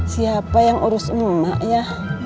siapa yang urus emak ya